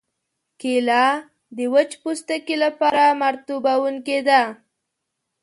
کېله د وچ پوستکي لپاره مرطوبوونکې ده.